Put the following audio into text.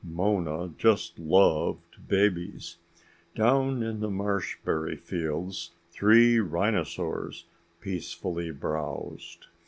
Mona just loved babies. Down in the marshberry fields three rhinosaurs peacefully browsed.